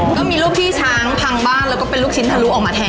ก็มีรูปพี่ช้างพังบ้านแล้วก็เป็นลูกชิ้นทะลุออกมาแทน